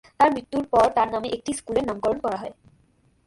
তাঁর মৃত্যুর পর তাঁর নামে একটি স্কুলের নামকরণ করা হয়।